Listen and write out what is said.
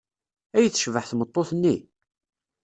Ay tecbeḥ tmeṭṭut-nni!